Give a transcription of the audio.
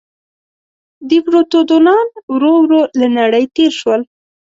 دیپروتودونان ورو ورو له نړۍ تېر شول.